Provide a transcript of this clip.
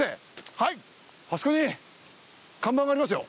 あそこに看板がありますよ。